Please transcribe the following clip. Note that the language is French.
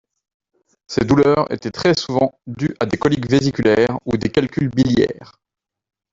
Ces douleurs étaient très souvent dues à des coliques vésiculaires, ou des calculs biliaires.